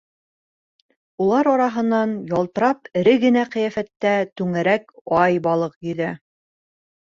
Улар араһынан ялтырап эре генә ҡиәфәттә түңәрәк ай-балыҡ йөҙә.